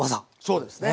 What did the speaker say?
そうですね。